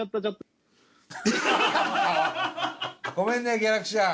ごめんねギャラクシアン。